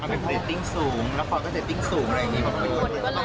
สูงแล้วก็สูง